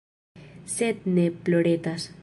Sed ne ploretas.